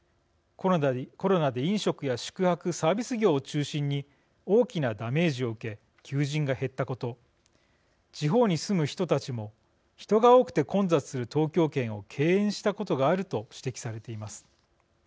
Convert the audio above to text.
コロナで飲食や宿泊サービス業を中心に大きなダメージを受け求人が減ったこと地方に住む人たちも人が多くて混雑する東京圏を敬遠したことがあると指摘されています。